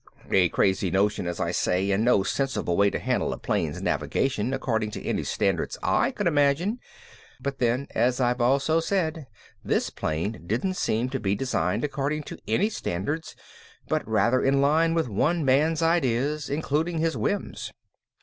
A crazy notion as I say and no sensible way to handle a plane's navigation according to any standards I could imagine, but then as I've also said this plane didn't seem to be designed according to any standards but rather in line with one man's ideas, including his whims.